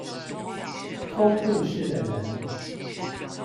偷故事的人